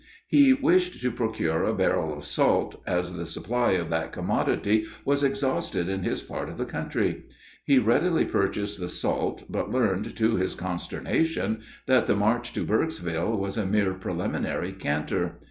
He wished to procure a barrel of salt, as the supply of that commodity was exhausted in his part of the country. He readily purchased the salt, but learned, to his consternation, that the march to Burkesville was a mere preliminary canter.